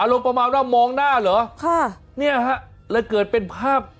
ประมาณว่ามองหน้าเหรอค่ะเนี่ยฮะเลยเกิดเป็นภาพ